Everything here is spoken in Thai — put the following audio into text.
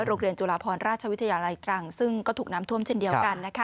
จุฬาพรราชวิทยาลัยตรังซึ่งก็ถูกน้ำท่วมเช่นเดียวกันนะคะ